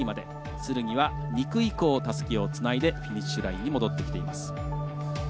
つるぎは２区以降たすきをつないでフィニッシュラインに戻ってきています。